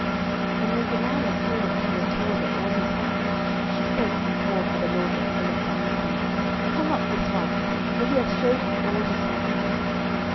07:016:018 And when Delilah saw that he had told her all his heart, she sent and called for the lords of the Philistines, saying, Come up this once, for he hath shewed me all his heart.